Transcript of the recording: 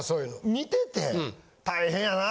見てて大変やなぁ